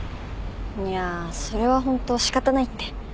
いやそれはホント仕方ないって。